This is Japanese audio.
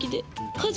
家事。